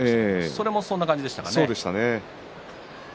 それはそんな感じでしたかね。